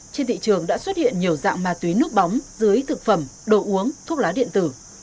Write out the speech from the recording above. trên thị trường đã xuất hiện nhiều dạng ma túy núp bóng dưới thực phẩm đồ uống thuốc lá điện tử